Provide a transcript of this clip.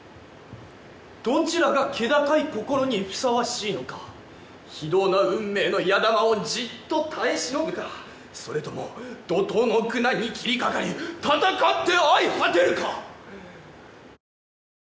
「どちらが気高い心にふさわしいのか非道な運命の矢弾をじっと耐え忍ぶかそれとも怒濤の苦難に斬りかかり戦って相果てるか」